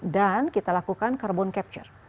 dan kita lakukan carbon capture